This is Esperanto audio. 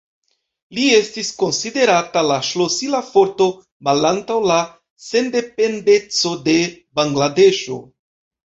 Li estis konsiderata la ŝlosila forto malantaŭ la sendependeco de Bangladeŝo.